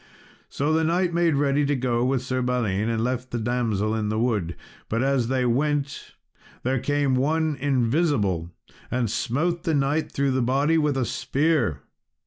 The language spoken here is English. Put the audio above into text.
So the knight made ready to go with Sir Balin, and left the damsel in the wood. But as they went, there came one invisible, and smote the knight through the body with a spear.